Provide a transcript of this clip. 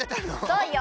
そうよ